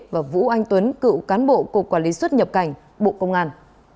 và vũ anh tuấn cựu cán bộ cục quản lý xuất nhập cảnh bộ công an